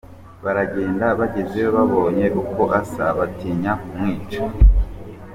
Baragenda, bagezeyo babonye uko asa, batinya kumwica.